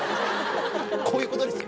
こういうことですよ。